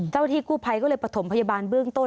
เจ้าพิธีกู้ไพรก็เลยประถมพยาบาลเบื้องต้น